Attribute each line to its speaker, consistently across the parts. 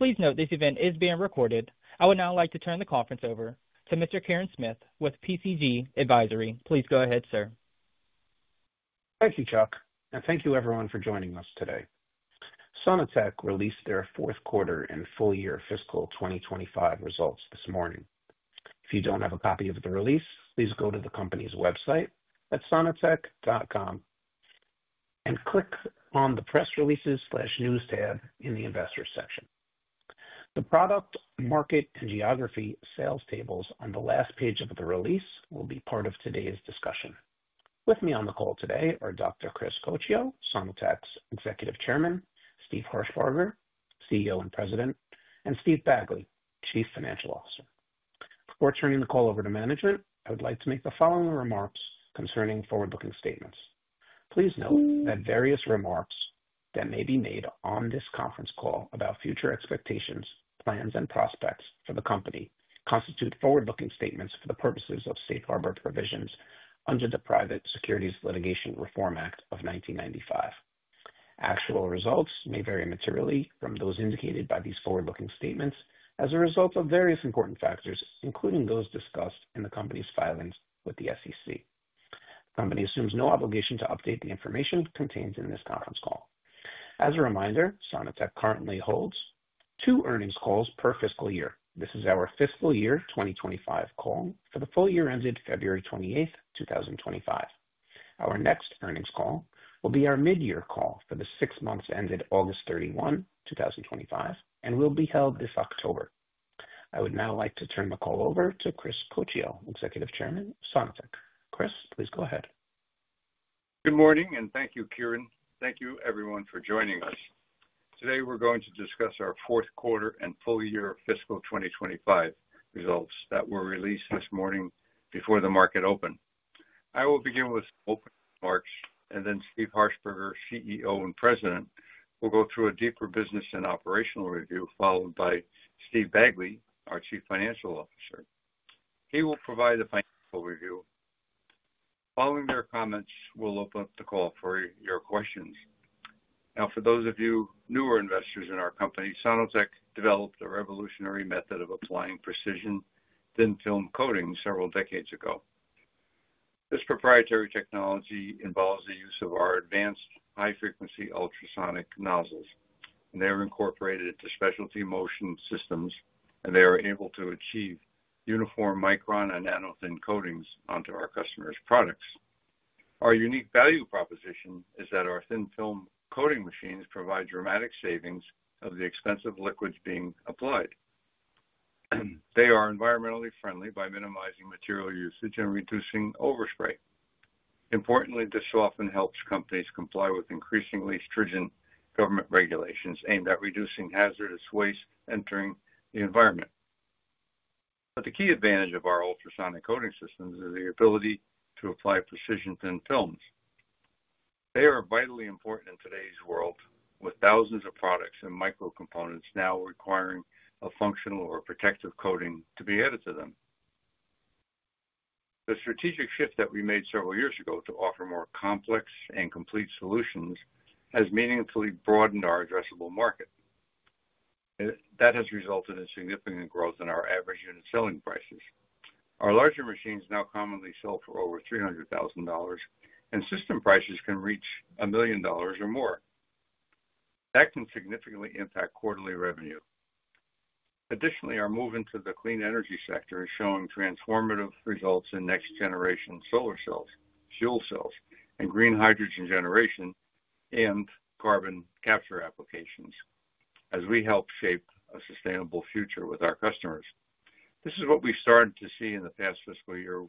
Speaker 1: Please note this event is being recorded. I would now like to turn the conference over to Mr. Kirin Smith with PCG Advisory. Please go ahead, sir.
Speaker 2: Thank you, Chuck, and thank you, everyone, for joining us today. Sono-Tek released their 4th quarter and full year fiscal 2025 results this morning. If you do not have a copy of the release, please go to the company's website at sono-tek.com and click on the Press Releases/News tab in the Investors section. The product, market, and geography sales tables on the last page of the release will be part of today's discussion. With me on the call today are Dr. Chris Coccio, Sono-Tek's Executive Chairman, Steve Harshbarger, CEO and President, and Steve Bagley, Chief Financial Officer. Before turning the call over to management, I would like to make the following remarks concerning forward-looking statements. Please note that various remarks that may be made on this conference call about future expectations, plans, and prospects for the company constitute forward-looking statements for the purposes of safe harbor provisions under the Private Securities Litigation Reform Act of 1995. Actual results may vary materially from those indicated by these forward-looking statements as a result of various important factors, including those discussed in the company's filings with the SEC. The company assumes no obligation to update the information contained in this conference call. As a reminder, Sono-Tek currently holds two earnings calls per fiscal year. This is our fiscal year 2025 call for the full year ended February 28, 2025. Our next earnings call will be our mid-year call for the six months ended August 31, 2025, and will be held this October. I would now like to turn the call over to Chris Coccio, Executive Chairman of Sono-Tek. Chris, please go ahead.
Speaker 3: Good morning, and thank you, Kirin. Thank you, everyone, for joining us. Today, we're going to discuss our 4th quarter and full year fiscal 2025 results that were released this morning before the market open. I will begin with opening remarks, and then Steve Harshbarger, CEO and President, will go through a deeper business and operational review, followed by Steve Bagley, our Chief Financial Officer. He will provide the financial review. Following their comments, we'll open up the call for your questions. Now, for those of you newer investors in our company, Sono-Tek developed a revolutionary method of applying precision thin-film coating several decades ago. This proprietary technology involves the use of our advanced high-frequency ultrasonic nozzles, and they are incorporated into specialty motion systems, and they are able to achieve uniform micron and nano-thin coatings onto our customers' products. Our unique value proposition is that our thin-film coating machines provide dramatic savings of the expensive liquids being applied. They are environmentally friendly by minimizing material usage and reducing overspray. Importantly, this often helps companies comply with increasingly stringent government regulations aimed at reducing hazardous waste entering the environment. The key advantage of our ultrasonic coating systems is the ability to apply precision thin films. They are vitally important in today's world, with thousands of products and micro-components now requiring a functional or protective coating to be added to them. The strategic shift that we made several years ago to offer more complex and complete solutions has meaningfully broadened our addressable market. That has resulted in significant growth in our average unit selling prices. Our larger machines now commonly sell for over $300,000, and system prices can reach a million dollars or more. That can significantly impact quarterly revenue. Additionally, our move into the clean energy sector is showing transformative results in next-generation solar cells, fuel cells, and green hydrogen generation and carbon capture applications as we help shape a sustainable future with our customers. This is what we started to see in the past fiscal year,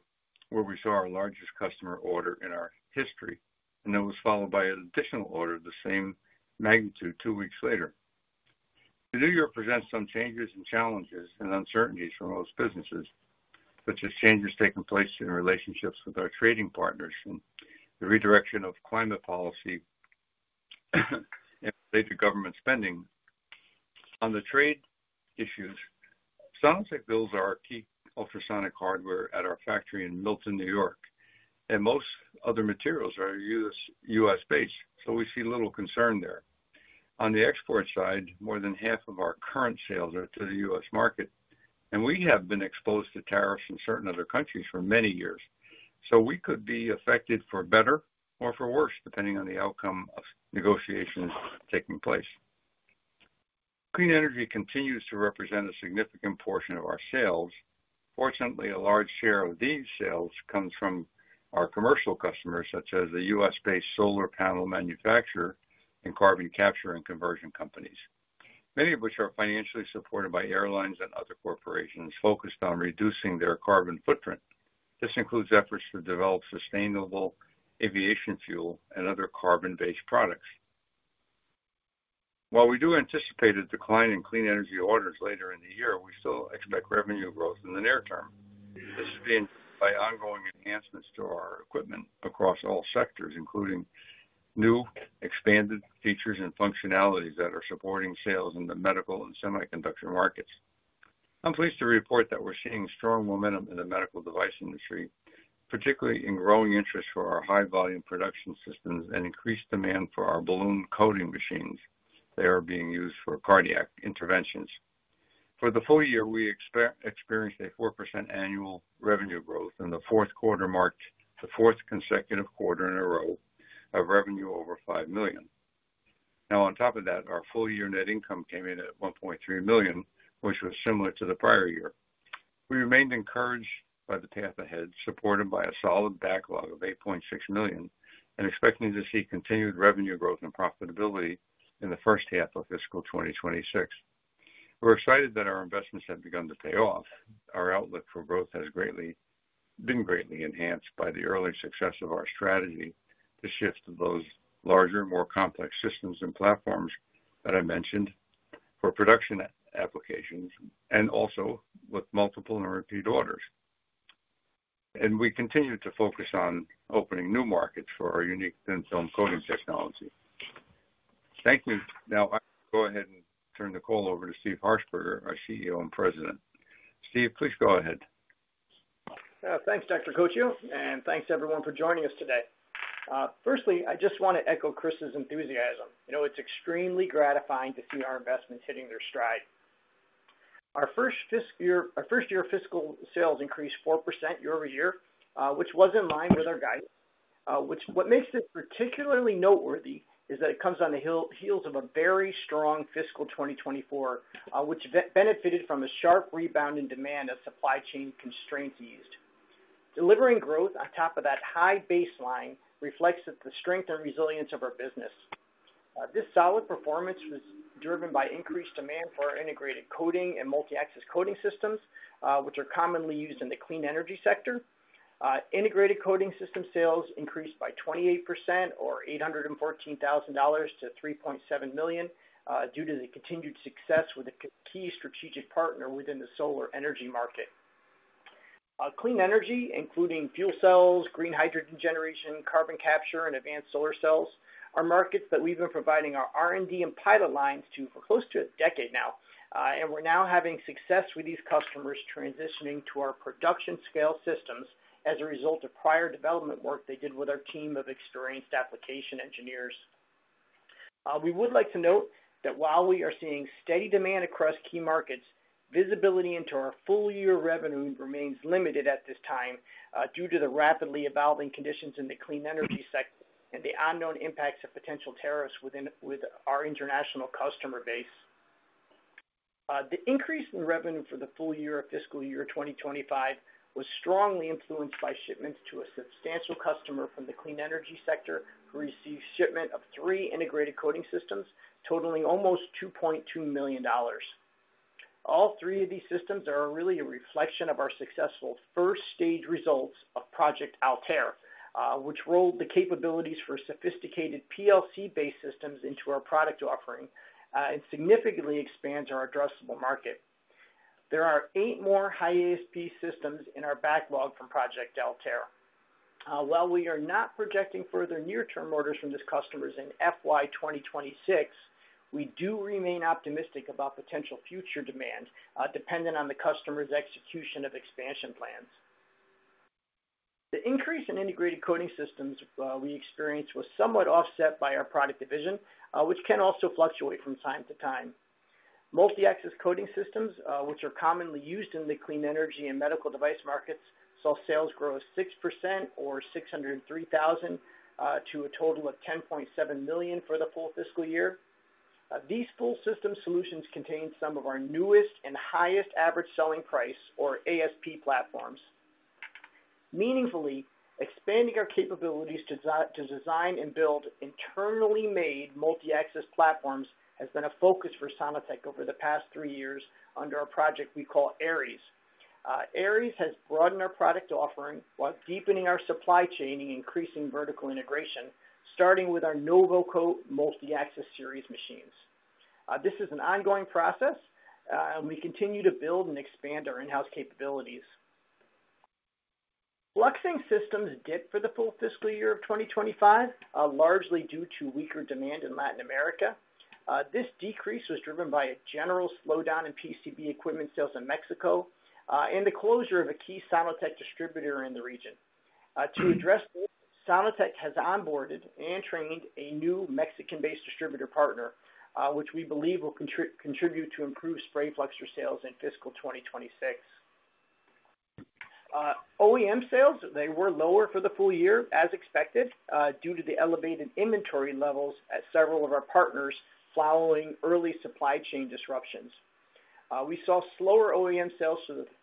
Speaker 3: where we saw our largest customer order in our history, and then was followed by an additional order of the same magnitude two weeks later. The new year presents some changes and challenges and uncertainties for most businesses, such as changes taking place in relationships with our trading partners and the redirection of climate policy and related government spending. On the trade issues, Sono-Tek builds our key ultrasonic hardware at our factory in Milton, New York, and most other materials are U.S.-based, so we see little concern there. On the export side, more than half of our current sales are to the U.S. market, and we have been exposed to tariffs in certain other countries for many years, so we could be affected for better or for worse, depending on the outcome of negotiations taking place. Clean energy continues to represent a significant portion of our sales. Fortunately, a large share of these sales comes from our commercial customers, such as the U.S.-based solar panel manufacturer and carbon capture and conversion companies, many of which are financially supported by airlines and other corporations focused on reducing their carbon footprint. This includes efforts to develop sustainable aviation fuel and other carbon-based products. While we do anticipate a decline in clean energy orders later in the year, we still expect revenue growth in the near term. This is being driven by ongoing enhancements to our equipment across all sectors, including new expanded features and functionalities that are supporting sales in the medical and semiconductor markets. I'm pleased to report that we're seeing strong momentum in the medical device industry, particularly in growing interest for our high-volume production systems and increased demand for our balloon coating machines. They are being used for cardiac interventions. For the full year, we experienced a 4% annual revenue growth, and the fourth quarter marked the fourth consecutive quarter in a row of revenue over $5 million. Now, on top of that, our full year net income came in at $1.3 million, which was similar to the prior year. We remained encouraged by the path ahead, supported by a solid backlog of $8.6 million, and expecting to see continued revenue growth and profitability in the 1st half of fiscal 2026. We're excited that our investments have begun to pay off. Our outlook for growth has been greatly enhanced by the early success of our strategy to shift to those larger, more complex systems and platforms that I mentioned for production applications and also with multiple and repeat orders. We continue to focus on opening new markets for our unique thin-film coating technology. Thank you. Now, I will go ahead and turn the call over to Steve Harshbarger, our CEO and President. Steve, please go ahead.
Speaker 4: Thanks, Dr. Coccio, and thanks, everyone, for joining us today. Firstly, I just want to echo Chris's enthusiasm. You know, it's extremely gratifying to see our investments hitting their stride. Our first year fiscal sales increased 4% year-over-year, which was in line with our guidance. What makes this particularly noteworthy is that it comes on the heels of a very strong fiscal 2024, which benefited from a sharp rebound in demand as supply chain constraints eased. Delivering growth on top of that high baseline reflects the strength and resilience of our business. This solid performance was driven by increased demand for integrated coating and multi-axis coating systems, which are commonly used in the clean energy sector. Integrated coating system sales increased by 28%, or $814,000 to $3.7 million, due to the continued success with a key strategic partner within the solar energy market. Clean energy, including fuel cells, green hydrogen generation, carbon capture, and advanced solar cells, are markets that we've been providing our R&D and pilot lines to for close to a decade now, and we're now having success with these customers transitioning to our production-scale systems as a result of prior development work they did with our team of experienced application engineers. We would like to note that while we are seeing steady demand across key markets, visibility into our full year revenue remains limited at this time due to the rapidly evolving conditions in the clean energy sector and the unknown impacts of potential tariffs with our international customer base. The increase in revenue for the full year of fiscal year 2025 was strongly influenced by shipments to a substantial customer from the clean energy sector who received shipment of three integrated coating systems totaling almost $2.2 million. All three of these systems are really a reflection of our successful first-stage results of Project Altair, which rolled the capabilities for sophisticated PLC-based systems into our product offering and significantly expands our addressable market. There are eight more high-ASP systems in our backlog from Project Altair. While we are not projecting further near-term orders from these customers in fiscal year 2026, we do remain optimistic about potential future demand dependent on the customer's execution of expansion plans. The increase in integrated coating systems we experienced was somewhat offset by our product division, which can also fluctuate from time to time. Multi-axis coating systems, which are commonly used in the clean energy and medical device markets, saw sales grow 6%, or $603,000, to a total of $10.7 million for the full fiscal year. These full system solutions contain some of our newest and highest average selling price, or ASP, platforms. Meaningfully, expanding our capabilities to design and build internally made multi-axis platforms has been a focus for Sono-Tek over the past three years under a project we call ARES. ARES has broadened our product offering while deepening our supply chain and increasing vertical integration, starting with our Novoco multi-axis series machines. This is an ongoing process, and we continue to build and expand our in-house capabilities. Fluxing systems dipped for the full fiscal year of 2025, largely due to weaker demand in Latin America. This decrease was driven by a general slowdown in PCB equipment sales in Mexico and the closure of a key Sono-Tek distributor in the region. To address this, Sono-Tek has onboarded and trained a new Mexican-based distributor partner, which we believe will contribute to improved spray flux sales in fiscal 2026. OEM sales, they were lower for the full year, as expected, due to the elevated inventory levels at several of our partners following early supply chain disruptions. We saw slower OEM sales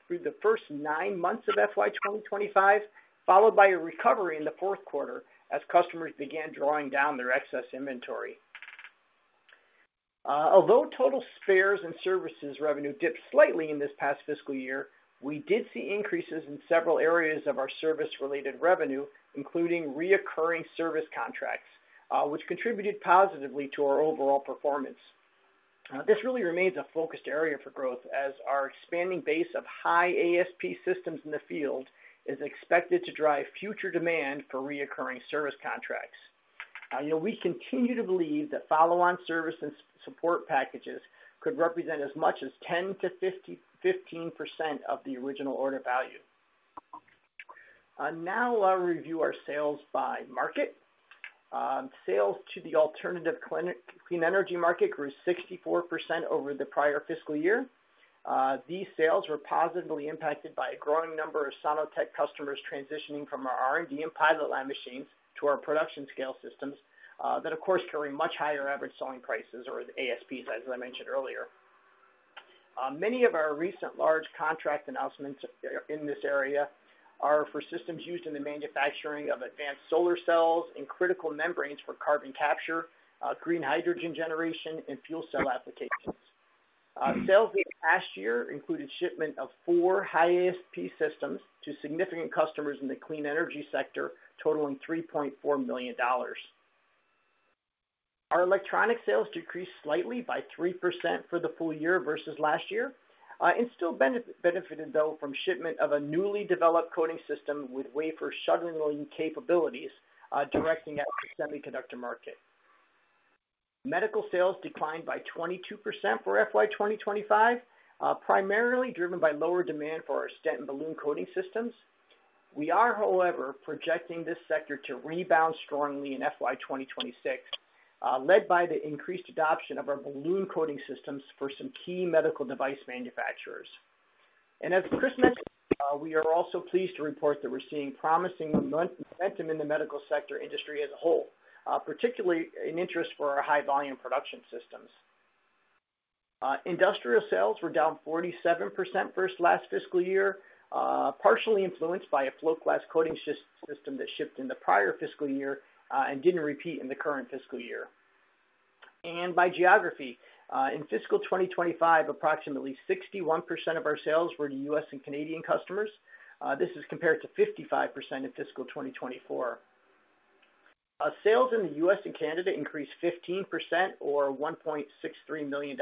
Speaker 4: through the first nine months of FY 2025, followed by a recovery in the 4th quarter as customers began drawing down their excess inventory. Although total spares and services revenue dipped slightly in this past fiscal year, we did see increases in several areas of our service-related revenue, including recurring service contracts, which contributed positively to our overall performance. This really remains a focused area for growth as our expanding base of high-ASP systems in the field is expected to drive future demand for recurring service contracts. You know, we continue to believe that follow-on service and support packages could represent as much as 10%-15% of the original order value. Now, I'll review our sales by market. Sales to the alternative clean energy market grew 64% over the prior fiscal year. These sales were positively impacted by a growing number of Sono-Tek customers transitioning from our R&D and pilot line machines to our production-scale systems that, of course, carry much higher average selling prices, or the ASPs, as I mentioned earlier. Many of our recent large contract announcements in this area are for systems used in the manufacturing of advanced solar cells and critical membranes for carbon capture, green hydrogen generation, and fuel cell applications. Sales last year included shipment of four high-ASP systems to significant customers in the clean energy sector, totaling $3.4 million. Our electronic sales decreased slightly by 3% for the full year versus last year and still benefited, though, from shipment of a newly developed coating system with wafer shuttling capabilities directing at the semiconductor market. Medical sales declined by 22% for FY 2025, primarily driven by lower demand for our stent and balloon coating systems. We are, however, projecting this sector to rebound strongly in FY 2026, led by the increased adoption of our balloon coating systems for some key medical device manufacturers. As Chris mentioned, we are also pleased to report that we're seeing promising momentum in the medical sector industry as a whole, particularly in interest for our high-volume production systems. Industrial sales were down 47% versus last fiscal year, partially influenced by a flow glass coating system that shipped in the prior fiscal year and did not repeat in the current fiscal year. By geography, in fiscal year 2025, approximately 61% of our sales were to U.S. and Canadian customers. This is compared to 55% in fiscal year 2024. Sales in the U.S. Canada increased 15%, or $1.63 million,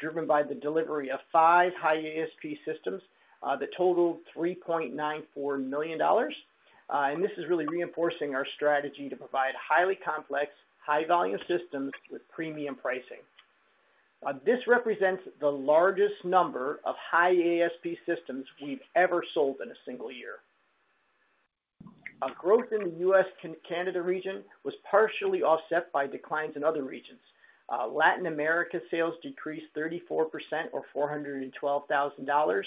Speaker 4: driven by the delivery of five high-ASP systems that totaled $3.94 million. This is really reinforcing our strategy to provide highly complex, high-volume systems with premium pricing. This represents the largest number of high-ASP systems we've ever sold in a single year. Growth in the U.S.-Canada region was partially offset by declines in other regions. Latin America sales decreased 34%, or $412,000,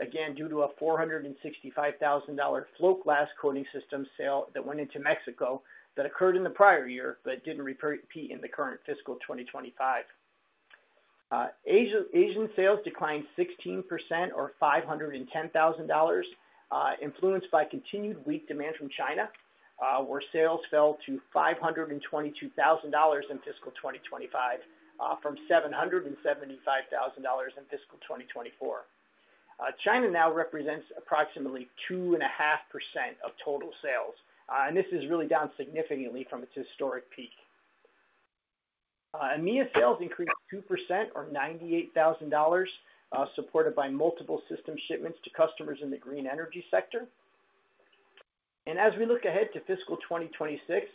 Speaker 4: again due to a $465,000 flow glass coating system sale that went into Mexico that occurred in the prior year but didn't repeat in the current fiscal 2025. Asian sales declined 16%, or $510,000, influenced by continued weak demand from China, where sales fell to $522,000 in fiscal 2025 from $775,000 in fiscal 2024. China now represents approximately 2.5% of total sales, and this is really down significantly from its historic peak. EMEA sales increased 2%, or $98,000, supported by multiple system shipments to customers in the green energy sector. As we look ahead to fiscal 2026,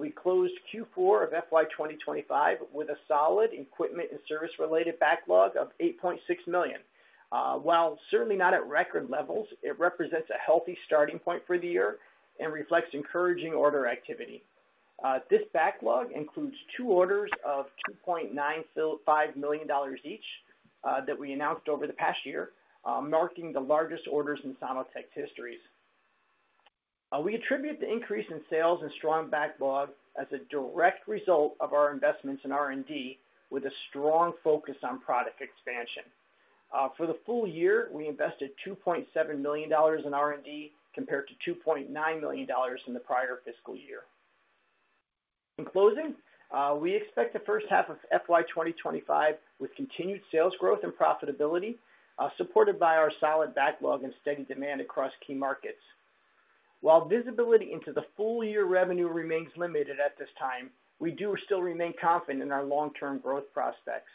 Speaker 4: we closed Q4 of FY 2025 with a solid equipment and service-related backlog of $8.6 million. While certainly not at record levels, it represents a healthy starting point for the year and reflects encouraging order activity. This backlog includes two orders of $2.95 million each that we announced over the past year, marking the largest orders in Sono-Tek's history. We attribute the increase in sales and strong backlog as a direct result of our investments in R&D with a strong focus on product expansion. For the full year, we invested $2.7 million in R&D compared to $2.9 million in the prior fiscal year. In closing, we expect the 1st half of FY 2025 with continued sales growth and profitability supported by our solid backlog and steady demand across key markets. While visibility into the full year revenue remains limited at this time, we do still remain confident in our long-term growth prospects.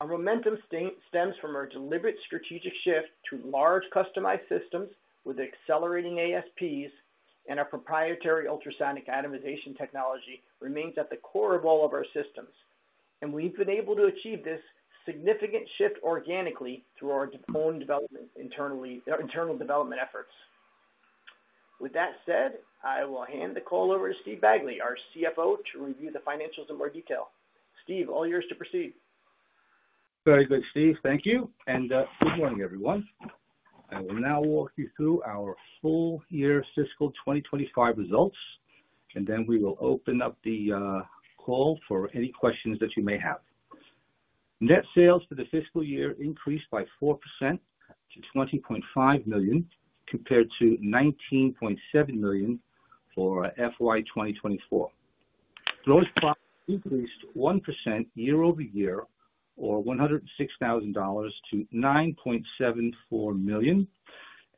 Speaker 4: Our momentum stems from our deliberate strategic shift to large customized systems with accelerating ASPs, and our proprietary ultrasonic atomization technology remains at the core of all of our systems. We have been able to achieve this significant shift organically through our own internal development efforts. With that said, I will hand the call over to Steve Bagley, our CFO, to review the financials in more detail. Steve, all yours to proceed.
Speaker 5: Very good, Steve. Thank you. And good morning, everyone. I will now walk you through our full year fiscal 2025 results, and then we will open up the call for any questions that you may have. Net sales for the fiscal year increased by 4% to $20.5 million compared to $19.7 million for FY 2024. Gross profit increased 1% year-over-year, or $106,000-$9.74 million,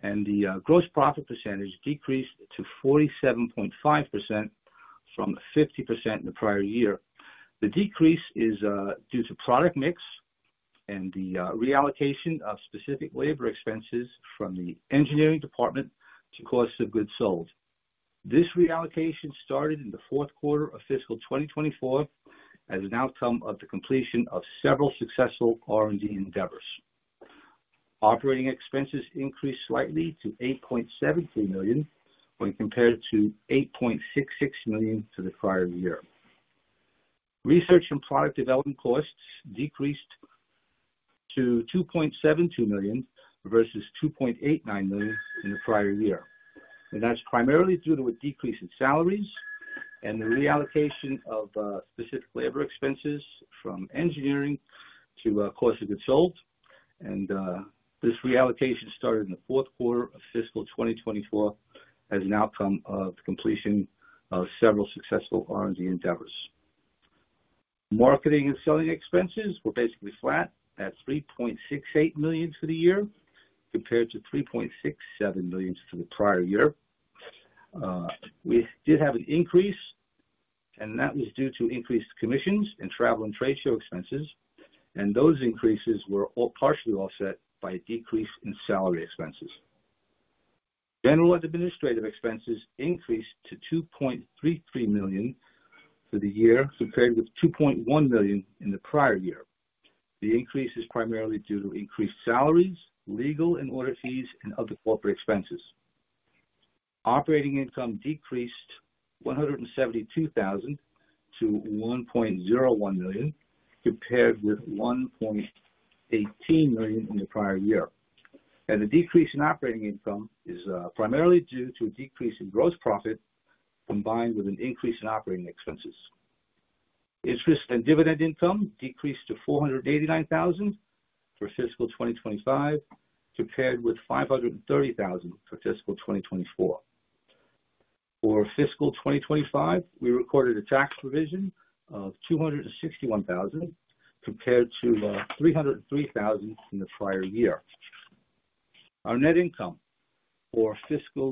Speaker 5: and the gross profit percentage decreased to 47.5% from 50% in the prior year. The decrease is due to product mix and the reallocation of specific labor expenses from the engineering department to cost of goods sold. This reallocation started in the 4th quarter of fiscal 2024 as an outcome of the completion of several successful R&D endeavors. Operating expenses increased slightly to $8.73 million when compared to $8.66 million to the prior year. Research and product development costs decreased to $2.72 million versus $2.89 million in the prior year. That is primarily due to a decrease in salaries and the reallocation of specific labor expenses from engineering to cost of goods sold. This reallocation started in the 4th quarter of fiscal 2024 as an outcome of the completion of several successful R&D endeavors. Marketing and selling expenses were basically flat at $3.68 million for the year compared to $3.67 million for the prior year. We did have an increase, and that was due to increased commissions and travel and trade show expenses. Those increases were partially offset by a decrease in salary expenses. General and administrative expenses increased to $2.33 million for the year compared with $2.1 million in the prior year. The increase is primarily due to increased salaries, legal and audit fees, and other corporate expenses. Operating income decreased $172,000-$1.01 million compared with $1.18 million in the prior year. The decrease in operating income is primarily due to a decrease in gross profit combined with an increase in operating expenses. Interest and dividend income decreased to $489,000 for fiscal 2025 compared with $530,000 for fiscal 2024. For fiscal 2025, we recorded a tax provision of $261,000 compared to $303,000 in the prior year. Our net income for fiscal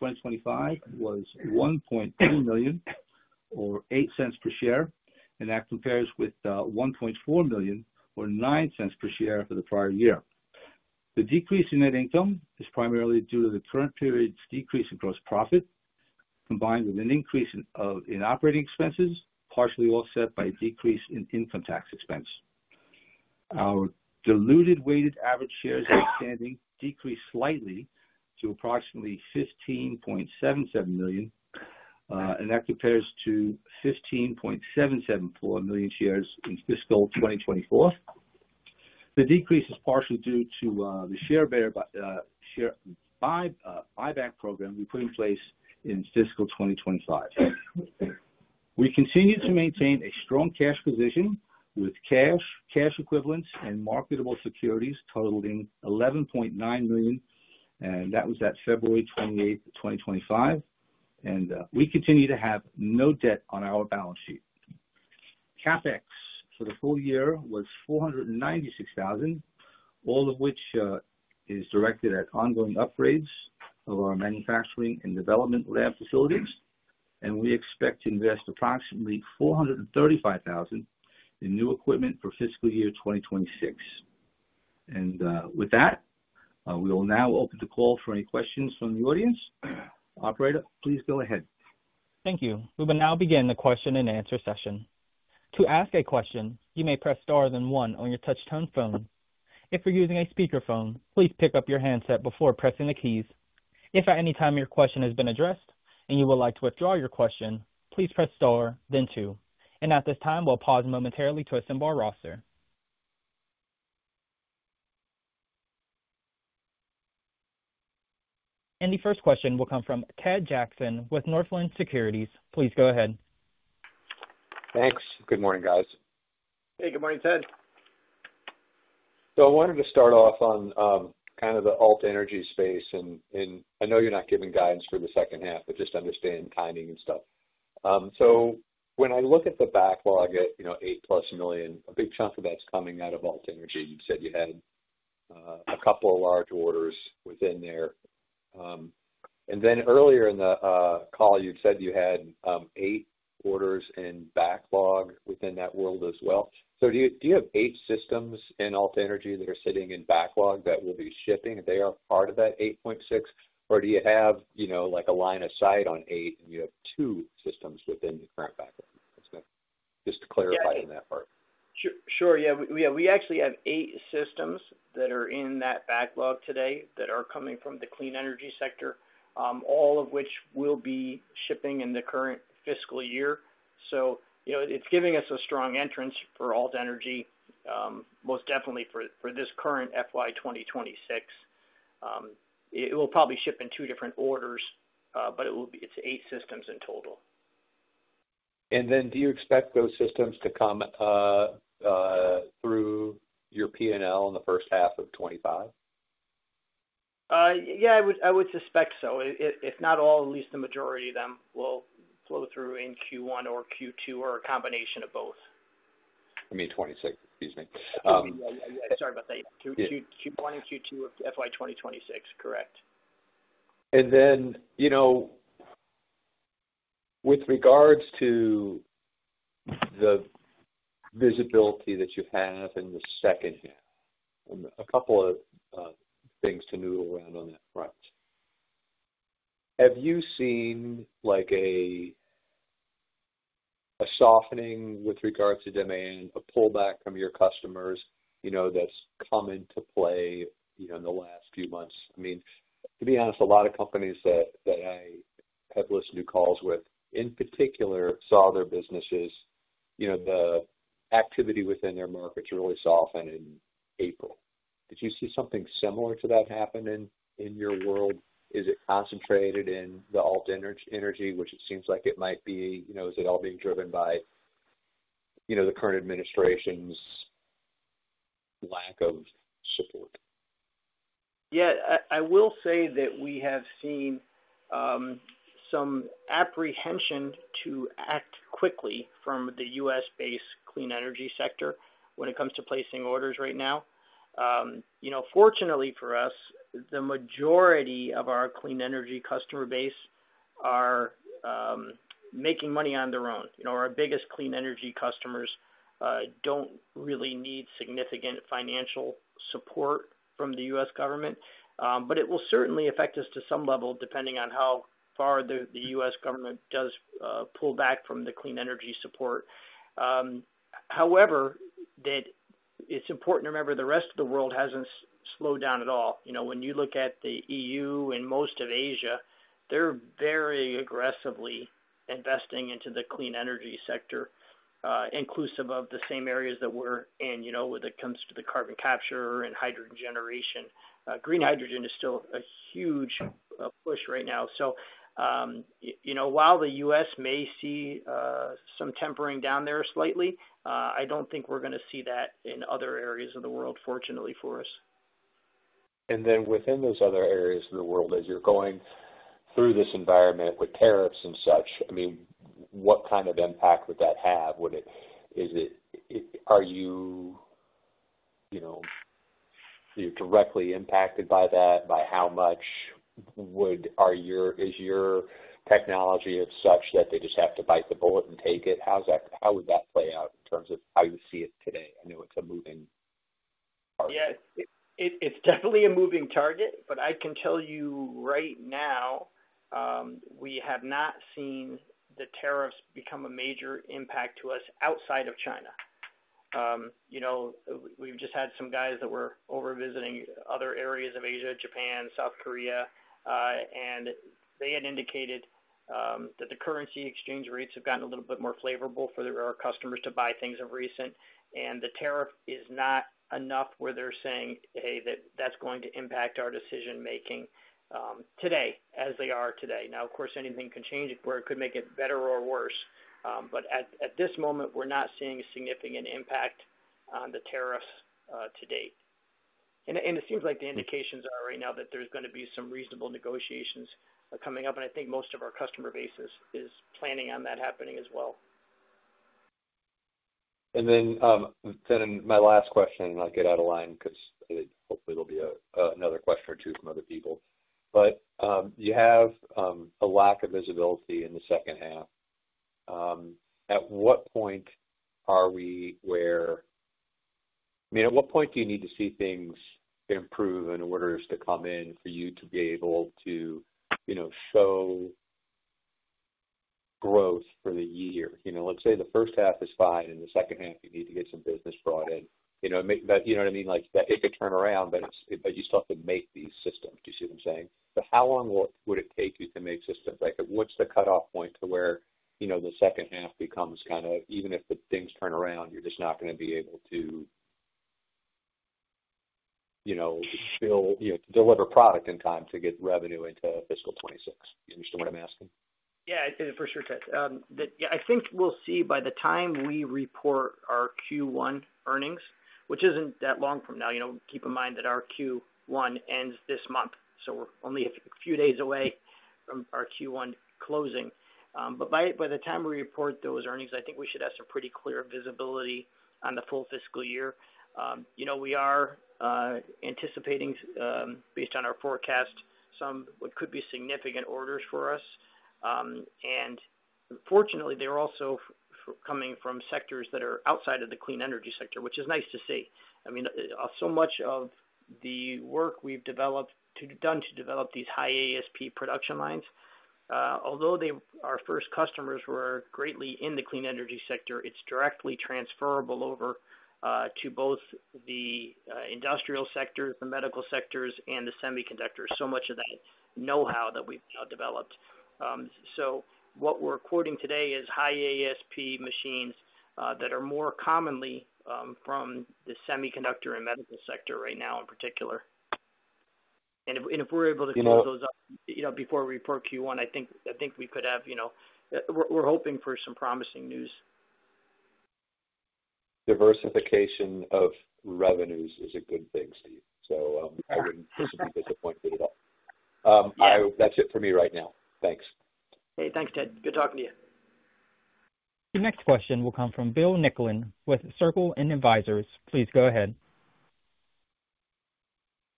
Speaker 5: 2025 was $1.2 million, or $0.08 per share, and that compares with $1.4 million, or $0.09 per share for the prior year. The decrease in net income is primarily due to the current period's decrease in gross profit combined with an increase in operating expenses partially offset by a decrease in income tax expense. Our diluted weighted average shares outstanding decreased slightly to approximately 15.77 million, and that compares to 15.774 million shares in fiscal 2024. The decrease is partially due to the share buyback program we put in place in fiscal 2025. We continue to maintain a strong cash position with cash equivalents and marketable securities totaling $11.9 million, and that was at February 28, 2025. We continue to have no debt on our balance sheet. CapEx for the full year was $496,000, all of which is directed at ongoing upgrades of our manufacturing and development lab facilities. We expect to invest approximately $435,000 in new equipment for fiscal year 2026. With that, we will now open the call for any questions from the audience. Operator, please go ahead.
Speaker 1: Thank you. We will now begin the question-and-answer session. To ask a question, you may press star then one on your touch-tone phone. If you're using a speakerphone, please pick up your handset before pressing the keys. If at any time your question has been addressed and you would like to withdraw your question, please press star, then two. At this time, we'll pause momentarily to assemble our roster. The first question will come from Ted Jackson with Northland Securities. Please go ahead.
Speaker 6: Thanks. Good morning, guys.
Speaker 4: Hey, good morning, Ted.
Speaker 6: I wanted to start off on kind of the alt energy space. I know you're not giving guidance for the second half, but just understand timing and stuff. When I look at the backlog at, you know, $8 million+, a big chunk of that's coming out of alt energy. You said you had a couple of large orders within there. Earlier in the call, you'd said you had eight orders in backlog within that world as well. Do you have eight systems in alt energy that are sitting in backlog that will be shipping? Are they part of that $8.6 million, or do you have, you know, like a line of sight on eight and you have two systems within the current backlog? Just to clarify on that part.
Speaker 4: Sure. Yeah. Yeah. We actually have eight systems that are in that backlog today that are coming from the clean energy sector, all of which will be shipping in the current fiscal year. You know, it's giving us a strong entrance for alt energy, most definitely for this current FY 2026. It will probably ship in two different orders, but it will be eight systems in total.
Speaker 6: Do you expect those systems to come through your P&L in the 1st half of 2025?
Speaker 4: Yeah, I would suspect so. If not all, at least the majority of them will flow through in Q1 or Q2 or a combination of both.
Speaker 6: I mean, 2026, excuse me.
Speaker 4: Yeah, yeah, yeah. Sorry about that. Q1 and Q2 of FY 2026, correct.
Speaker 6: You know, with regards to the visibility that you have in the 2nd year, a couple of things to noodle around on that front. Have you seen like a softening with regards to demand, a pullback from your customers, you know, that's come into play in the last few months? I mean, to be honest, a lot of companies that I have listened to calls with, in particular, saw their businesses, you know, the activity within their markets really soften in April. Did you see something similar to that happen in your world? Is it concentrated in the alt energy, which it seems like it might be? You know, is it all being driven by the current administration's lack of support?
Speaker 4: Yeah. I will say that we have seen some apprehension to act quickly from the U.S.-based clean energy sector when it comes to placing orders right now. You know, fortunately for us, the majority of our clean energy customer base are making money on their own. You know, our biggest clean energy customers do not really need significant financial support from the U.S. government, but it will certainly affect us to some level depending on how far the U.S. government does pull back from the clean energy support. However, it is important to remember the rest of the world has not slowed down at all. You know, when you look at the EU and most of Asia, they are very aggressively investing into the clean energy sector, inclusive of the same areas that we are in, you know, when it comes to the carbon capture and hydrogen generation. Green hydrogen is still a huge push right now. You know, while the U.S. may see some tempering down there slightly, I do not think we are going to see that in other areas of the world, fortunately for us.
Speaker 6: Within those other areas of the world, as you're going through this environment with tariffs and such, I mean, what kind of impact would that have? Is it, are you, you know, are you directly impacted by that? By how much would, are your, is your technology of such that they just have to bite the bullet and take it? How's that, how would that play out in terms of how you see it today? I know it's a moving target.
Speaker 4: Yeah. It's definitely a moving target, but I can tell you right now, we have not seen the tariffs become a major impact to us outside of China. You know, we've just had some guys that were over visiting other areas of Asia, Japan, South Korea, and they had indicated that the currency exchange rates have gotten a little bit more favorable for our customers to buy things of recent. The tariff is not enough where they're saying, "Hey, that's going to impact our decision-making today," as they are today. Now, of course, anything can change where it could make it better or worse. At this moment, we're not seeing a significant impact on the tariffs to date. It seems like the indications are right now that there's going to be some reasonable negotiations coming up. I think most of our customer base is planning on that happening as well.
Speaker 6: My last question, and I'll get out of line because hopefully there'll be another question or two from other people. You have a lack of visibility in the 2nd half. At what point are we, I mean, at what point do you need to see things improve in order to come in for you to be able to, you know, show growth for the year? Let's say the first half is fine and the second half you need to get some business brought in. You know what I mean? Like it could turn around, but you still have to make these systems. Do you see what I'm saying? How long would it take you to make systems? Like what's the cutoff point to where, you know, the second half becomes kind of, even if things turn around, you're just not going to be able to, you know, fill, you know, deliver product in time to get revenue into fiscal 2026. You understand what I'm asking?
Speaker 4: Yeah. I'd say for sure, Ted. Yeah, I think we'll see by the time we report our Q1 earnings, which isn't that long from now. You know, keep in mind that our Q1 ends this month. We are only a few days away from our Q1 closing. By the time we report those earnings, I think we should have some pretty clear visibility on the full fiscal year. You know, we are anticipating, based on our forecast, some what could be significant orders for us. Fortunately, they are also coming from sectors that are outside of the clean energy sector, which is nice to see. I mean, so much of the work we've done to develop these high ASP production lines, although our first customers were greatly in the clean energy sector, is directly transferable over to both the industrial sectors, the medical sectors, and the semiconductors. Much of that know-how that we've now developed. What we're quoting today is high ASP machines that are more commonly from the semiconductor and medical sector right now in particular. If we're able to close those up, you know, before we report Q1, I think we could have, you know, we're hoping for some promising news.
Speaker 6: Diversification of revenues is a good thing, Steve. I would not disappoint you at all. That is it for me right now. Thanks.
Speaker 4: Hey, thanks, Ted. Good talking to you.
Speaker 1: The next question will come from Bill Nicklin with Circle N Advisors. Please go ahead.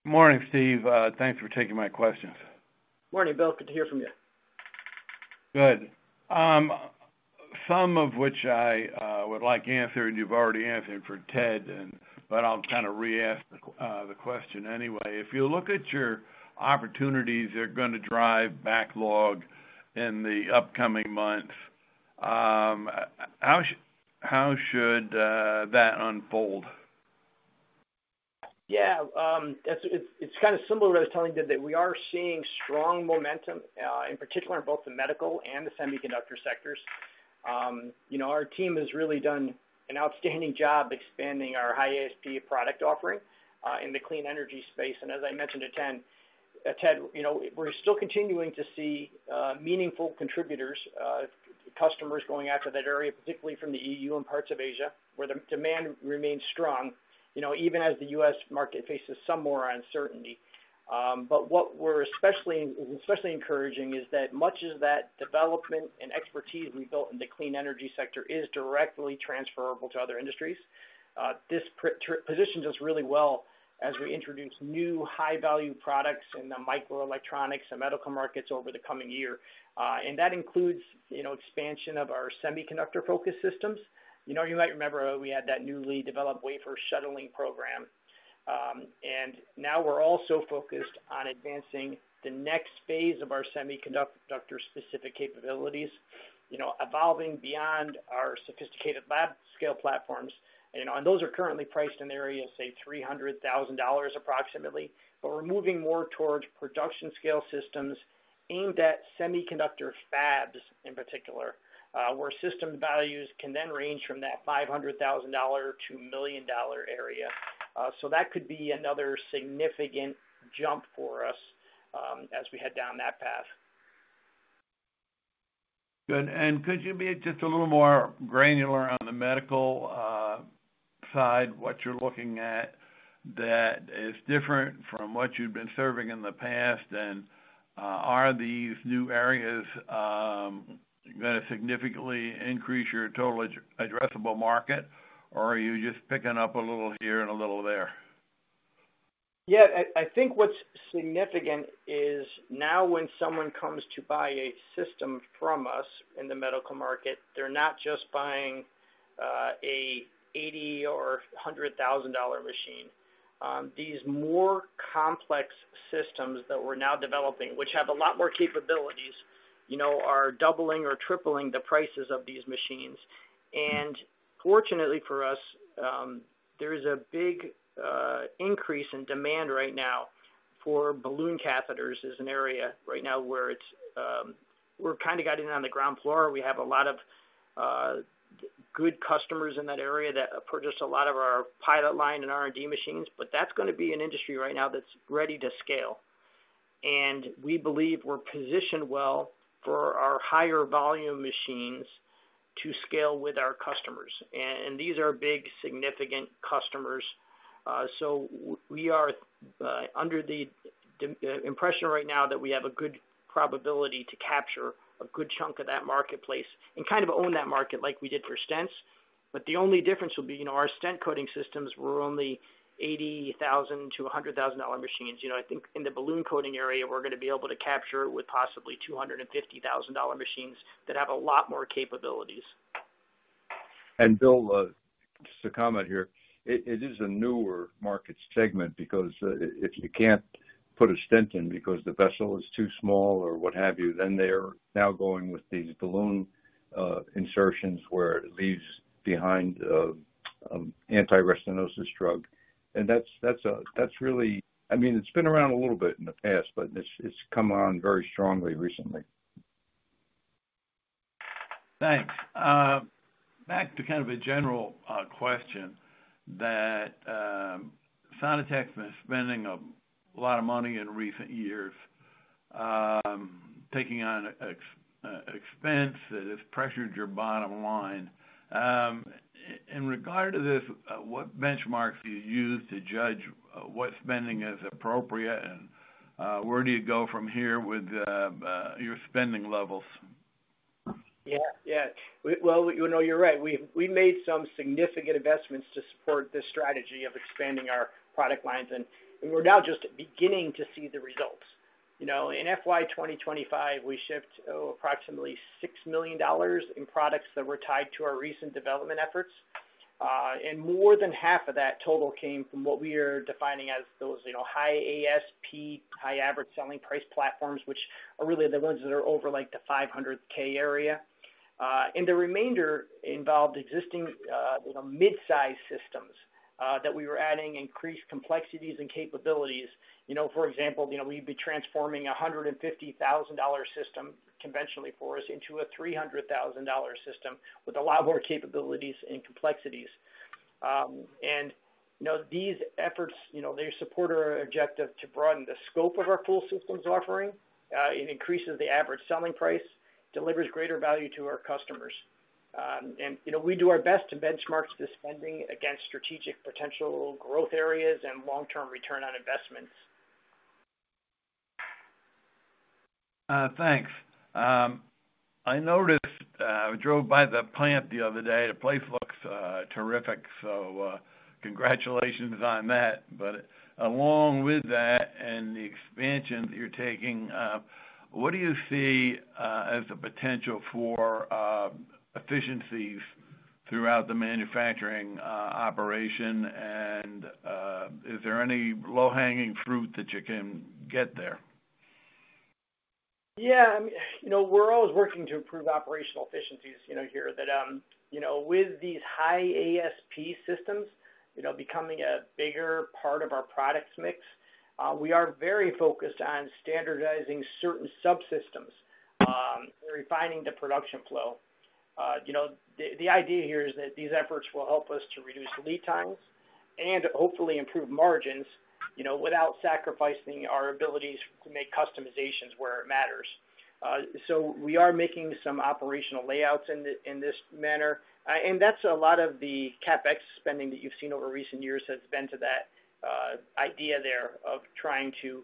Speaker 7: Morning, Steve. Thanks for taking my questions.
Speaker 4: Morning, Bill. Good to hear from you.
Speaker 7: Good. Some of which I would like answered, you've already answered for Ted, but I'll kind of re-ask the question anyway. If you look at your opportunities, they're going to drive backlog in the upcoming months. How should that unfold?
Speaker 4: Yeah. It's kind of similar to what I was telling you that we are seeing strong momentum, in particular in both the medical and the semiconductor sectors. You know, our team has really done an outstanding job expanding our high ASP product offering in the clean energy space. As I mentioned to Ted, you know, we're still continuing to see meaningful contributors, customers going after that area, particularly from the EU and parts of Asia, where the demand remains strong, you know, even as the U.S. market faces some more uncertainty. What we're especially encouraging is that much of that development and expertise we built in the clean energy sector is directly transferable to other industries. This positions us really well as we introduce new high-value products in the microelectronics and medical markets over the coming year. That includes, you know, expansion of our semiconductor-focused systems. You know, you might remember we had that newly developed wafer shuttling program. And now we're also focused on advancing the next phase of our semiconductor-specific capabilities, you know, evolving beyond our sophisticated lab-scale platforms. You know, and those are currently priced in the area, say, $300,000 approximately. But we're moving more towards production-scale systems aimed at semiconductor fabs in particular, where system values can then range from that $500,000 to million-dollar area. So that could be another significant jump for us as we head down that path.
Speaker 7: Good. Could you be just a little more granular on the medical side, what you're looking at that is different from what you've been serving in the past? Are these new areas going to significantly increase your total addressable market, or are you just picking up a little here and a little there?
Speaker 4: Yeah. I think what's significant is now when someone comes to buy a system from us in the medical market, they're not just buying an $80,000-$100,000 machine. These more complex systems that we're now developing, which have a lot more capabilities, you know, are doubling or tripling the prices of these machines. Fortunately for us, there is a big increase in demand right now for balloon catheters as an area right now where we're kind of getting on the ground floor. We have a lot of good customers in that area that purchased a lot of our pilot line and R&D machines, but that's going to be an industry right now that's ready to scale. We believe we're positioned well for our higher volume machines to scale with our customers. These are big, significant customers. We are under the impression right now that we have a good probability to capture a good chunk of that marketplace and kind of own that market like we did for stents. The only difference will be, you know, our stent coating systems were only $80,000-$100,000 machines. You know, I think in the balloon coating area, we're going to be able to capture it with possibly $250,000 machines that have a lot more capabilities.
Speaker 5: Bill, just a comment here. It is a newer market segment because if you can't put a stent in because the vessel is too small or what have you, they are now going with these balloon insertions where it leaves behind anti-restenosis drug. I mean, it's been around a little bit in the past, but it's come on very strongly recently.
Speaker 7: Thanks. Back to kind of a general question that Sono-Tek has been spending a lot of money in recent years, taking on expense that has pressured your bottom line. In regard to this, what benchmarks do you use to judge what spending is appropriate and where do you go from here with your spending levels?
Speaker 4: Yeah. Yeah. You know, you're right. We've made some significant investments to support this strategy of expanding our product lines. We're now just beginning to see the results. You know, in FY 2025, we shipped approximately $6 million in products that were tied to our recent development efforts. More than half of that total came from what we are defining as those, you know, high ASP, high average selling price platforms, which are really the ones that are over like the $500,000 area. The remainder involved existing, you know, mid-size systems that we were adding increased complexities and capabilities. You know, for example, you know, we'd be transforming a $150,000 system conventionally for us into a $300,000 system with a lot more capabilities and complexities. You know, these efforts, you know, they support our objective to broaden the scope of our full systems offering. It increases the average selling price, delivers greater value to our customers. You know, we do our best to benchmark the spending against strategic potential growth areas and long-term return on investments.
Speaker 7: Thanks. I noticed I drove by the plant the other day. The place looks terrific. Congratulations on that. Along with that and the expansion that you're taking, what do you see as the potential for efficiencies throughout the manufacturing operation? Is there any low-hanging fruit that you can get there?
Speaker 4: Yeah. I mean, you know, we're always working to improve operational efficiencies, you know, here that, you know, with these high ASP systems, you know, becoming a bigger part of our product mix, we are very focused on standardizing certain subsystems and refining the production flow. You know, the idea here is that these efforts will help us to reduce lead times and hopefully improve margins, you know, without sacrificing our abilities to make customizations where it matters. We are making some operational layouts in this manner. That's a lot of the CapEx spending that you've seen over recent years has been to that idea there of trying to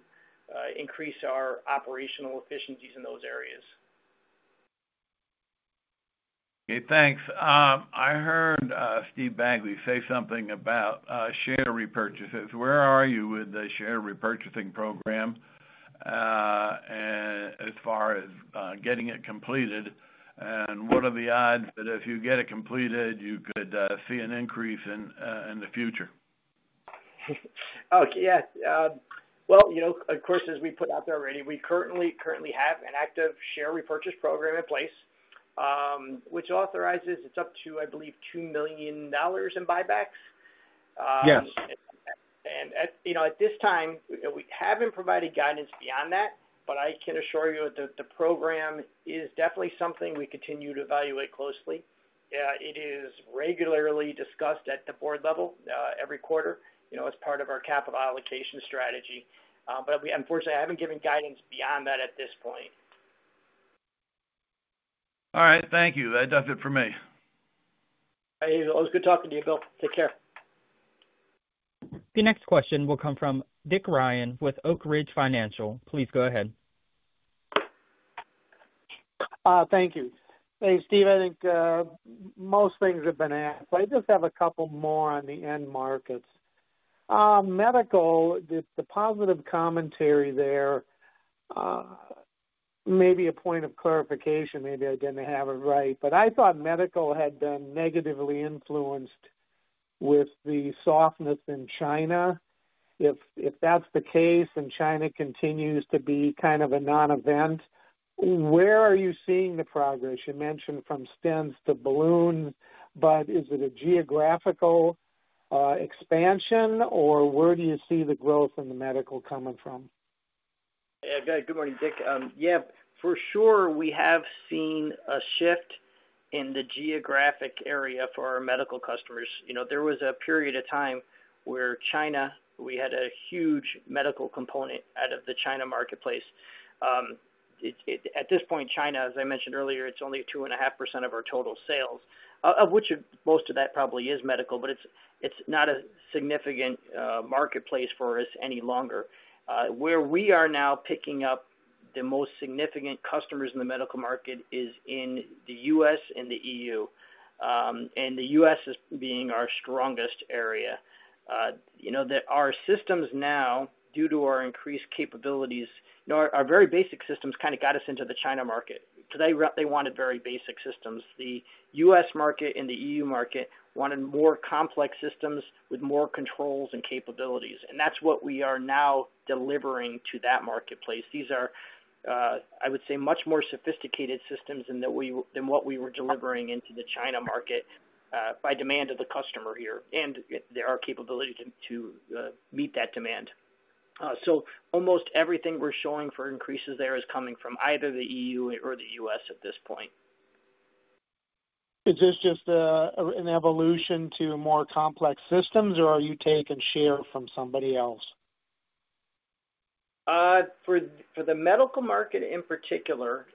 Speaker 4: increase our operational efficiencies in those areas.
Speaker 7: Okay. Thanks. I heard Steve Bagley say something about share repurchases. Where are you with the share repurchasing program as far as getting it completed? What are the odds that if you get it completed, you could see an increase in the future?
Speaker 4: Oh, yeah. You know, of course, as we put out there already, we currently have an active share repurchase program in place, which authorizes, it's up to, I believe, $2 million in buybacks.
Speaker 7: Yes.
Speaker 4: At this time, we haven't provided guidance beyond that, but I can assure you that the program is definitely something we continue to evaluate closely. It is regularly discussed at the board level every quarter, you know, as part of our capital allocation strategy. Unfortunately, I haven't given guidance beyond that at this point.
Speaker 7: All right. Thank you. That does it for me.
Speaker 4: All right. It was good talking to you, Bill. Take care.
Speaker 1: The next question will come from Dick Ryan with Oak Ridge Financial. Please go ahead.
Speaker 8: Thank you. Hey, Steve, I think most things have been asked. I just have a couple more on the end markets. Medical, the positive commentary there may be a point of clarification. Maybe I didn't have it right. I thought medical had been negatively influenced with the softness in China. If that's the case and China continues to be kind of a non-event, where are you seeing the progress? You mentioned from stents to balloons, but is it a geographical expansion, or where do you see the growth in the medical coming from?
Speaker 4: Good morning, Dick. Yeah. For sure, we have seen a shift in the geographic area for our medical customers. You know, there was a period of time where China, we had a huge medical component out of the China marketplace. At this point, China, as I mentioned earlier, it's only 2.5% of our total sales, of which most of that probably is medical, but it's not a significant marketplace for us any longer. Where we are now picking up the most significant customers in the medical market is in the U.S. and the EU. The U.S. is being our strongest area. You know, our systems now, due to our increased capabilities, you know, our very basic systems kind of got us into the China market because they wanted very basic systems. The U.S. market and the EU market wanted more complex systems with more controls and capabilities. That is what we are now delivering to that marketplace. These are, I would say, much more sophisticated systems than what we were delivering into the China market by demand of the customer here. There are capabilities to meet that demand. Almost everything we are showing for increases there is coming from either the EU or the U.S. at this point.
Speaker 8: Is this just an evolution to more complex systems, or are you taking share from somebody else?
Speaker 4: For the medical market in particular,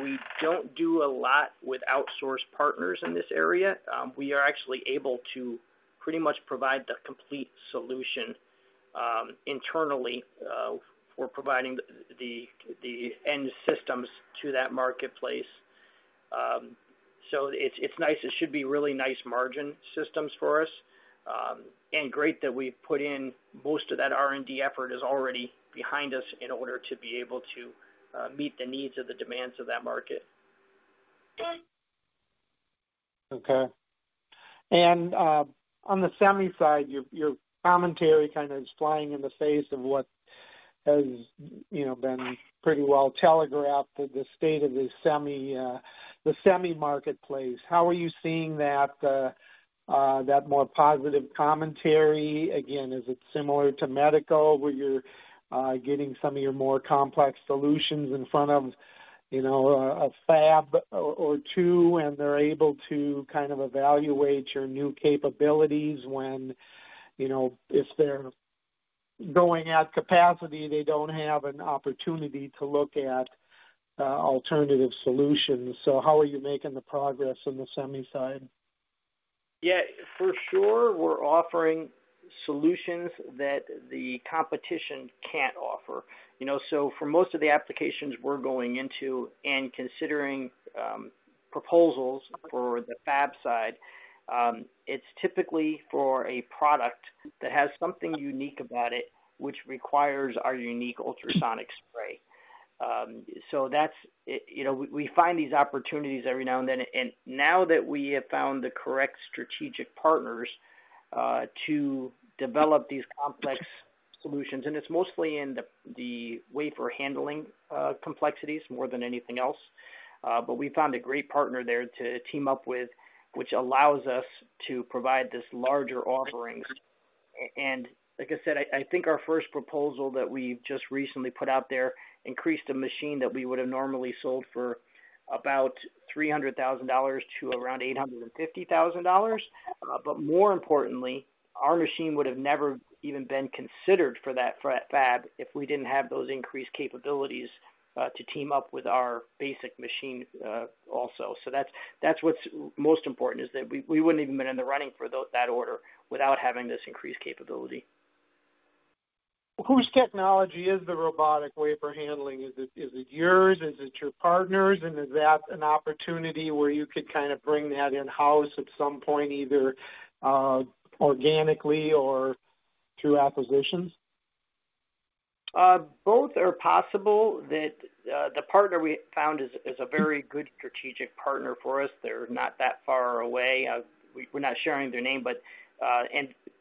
Speaker 4: we do not do a lot with outsourced partners in this area. We are actually able to pretty much provide the complete solution internally. We are providing the end systems to that marketplace. It is nice. It should be really nice margin systems for us. And great that we have put in most of that R&D effort is already behind us in order to be able to meet the needs of the demands of that market.
Speaker 8: Okay. On the semi side, your commentary kind of is flying in the face of what has, you know, been pretty well telegraphed, the state of the semi marketplace. How are you seeing that more positive commentary? Again, is it similar to medical where you're getting some of your more complex solutions in front of, you know, a fab or two and they're able to kind of evaluate your new capabilities when, you know, if they're going at capacity, they don't have an opportunity to look at alternative solutions? How are you making the progress on the semi side?
Speaker 4: Yeah. For sure, we're offering solutions that the competition can't offer. You know, so for most of the applications we're going into and considering proposals for the fab side, it's typically for a product that has something unique about it, which requires our unique ultrasonic spray. So that's, you know, we find these opportunities every now and then. And now that we have found the correct strategic partners to develop these complex solutions, and it's mostly in the wafer handling complexities more than anything else, but we found a great partner there to team up with, which allows us to provide this larger offering. Like I said, I think our first proposal that we've just recently put out there increased a machine that we would have normally sold for about $300,000-$850,000. More importantly, our machine would have never even been considered for that fab if we did not have those increased capabilities to team up with our basic machine also. That is what is most important, that we would not even have been in the running for that order without having this increased capability.
Speaker 8: Whose technology is the robotic wafer handling? Is it yours? Is it your partner's? Is that an opportunity where you could kind of bring that in-house at some point, either organically or through acquisitions?
Speaker 4: Both are possible. The partner we found is a very good strategic partner for us. They're not that far away. We're not sharing their name.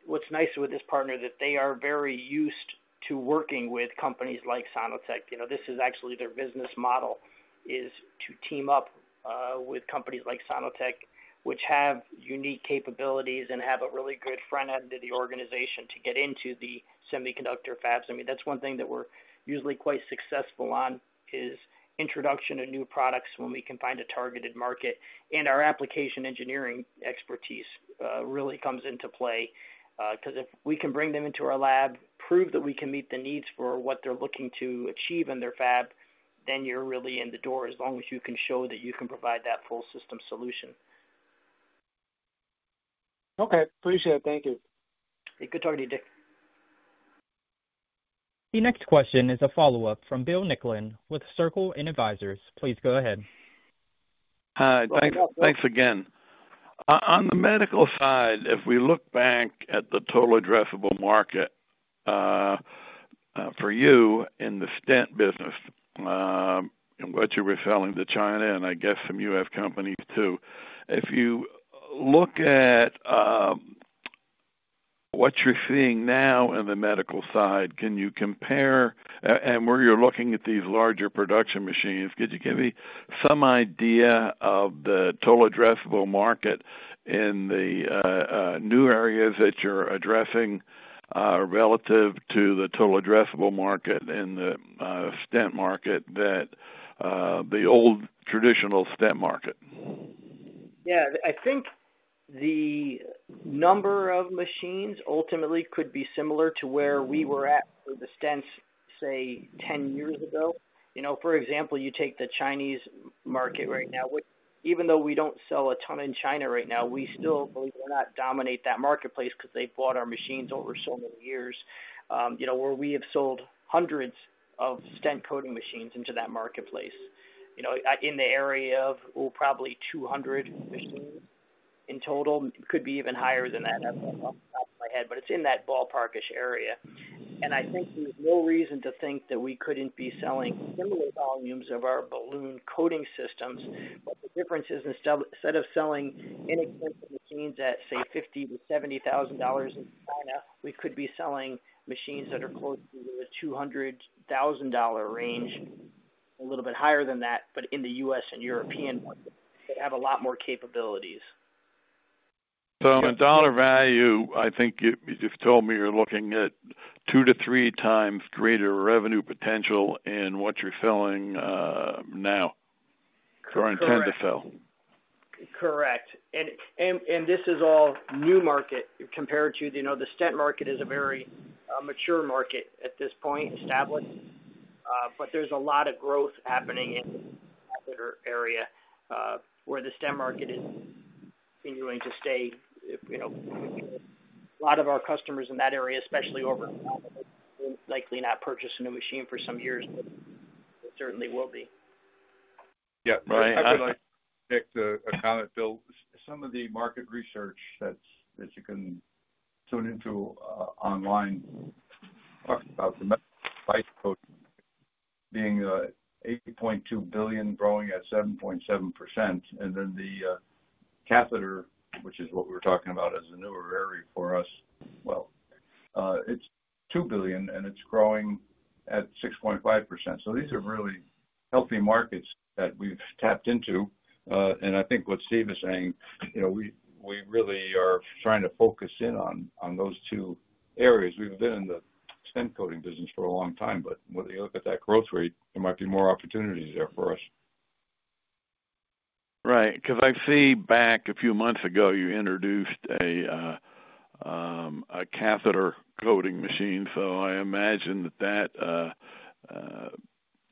Speaker 4: What's nice with this partner is that they are very used to working with companies like Sono-Tek. You know, this is actually their business model is to team up with companies like Sono-Tek, which have unique capabilities and have a really good front end of the organization to get into the semiconductor fabs. I mean, that's one thing that we're usually quite successful on is introduction of new products when we can find a targeted market. Our application engineering expertise really comes into play because if we can bring them into our lab, prove that we can meet the needs for what they're looking to achieve in their fab, then you're really in the door as long as you can show that you can provide that full system solution.
Speaker 8: Okay. Appreciate it. Thank you.
Speaker 4: Good talking to you, Dick.
Speaker 1: The next question is a follow-up from Bill Nicklin with Circle N Advisors. Please go ahead.
Speaker 7: Thanks again. On the medical side, if we look back at the total addressable market for you in the stent business and what you were selling to China and I guess some U.S. companies too, if you look at what you're seeing now in the medical side, can you compare and where you're looking at these larger production machines, could you give me some idea of the total addressable market in the new areas that you're addressing relative to the total addressable market in the stent market, the old traditional stent market?
Speaker 4: Yeah. I think the number of machines ultimately could be similar to where we were at with the stents, say, 10 years ago. You know, for example, you take the Chinese market right now, which even though we do not sell a ton in China right now, we still believe we are not dominating that marketplace because they bought our machines over so many years, you know, where we have sold hundreds of stent coating machines into that marketplace. You know, in the area of probably 200 machines in total. It could be even higher than that off the top of my head, but it is in that ballpark-ish area. I think there is no reason to think that we could not be selling similar volumes of our balloon coating systems. The difference is instead of selling inexpensive machines at, say, $50,000-$70,000 in China, we could be selling machines that are close to the $200,000 range, a little bit higher than that, but in the U.S. and European market that have a lot more capabilities.
Speaker 7: In dollar value, I think you've told me you're looking at 2-3x greater revenue potential in what you're selling now or intend to sell.
Speaker 4: Correct. This is all new market compared to, you know, the stent market is a very mature market at this point, established. There is a lot of growth happening in that other area where the stent market is continuing to stay. You know, a lot of our customers in that area, especially over time, will likely not purchase a new machine for some years, but certainly will be.
Speaker 5: Yeah. I'd like to make a comment, Bill. Some of the market research that you can tune into online talks about the medical device being $8.2 billion, growing at 7.7%. And then the catheter, which is what we were talking about as a newer area for us, well, it's $2 billion and it's growing at 6.5%. These are really healthy markets that we've tapped into. I think what Steve is saying, you know, we really are trying to focus in on those two areas. We've been in the stent coating business for a long time, but when you look at that growth rate, there might be more opportunities there for us.
Speaker 7: Right. Because I see back a few months ago you introduced a catheter coating machine. I imagine that